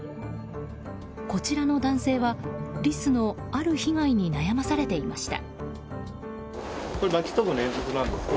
こちらの男性はリスのある被害に悩まされていました。